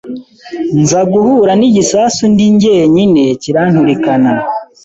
nza guhura n’igisasu ndi njyenyine kiranturikana